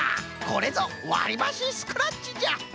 これぞわりばしスクラッチじゃ！